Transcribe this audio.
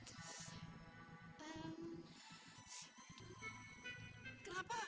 siti pengen pipis